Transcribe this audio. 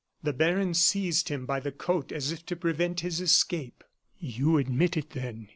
The baron seized him by the coat as if to prevent his escape. "You admit it, then?"